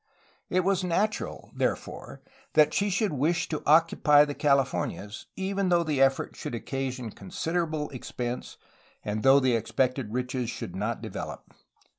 It was natural, there fore, that she should wish to occupy the Californias, even though the effort should occasion considerable expense and though the expected riches should not develop.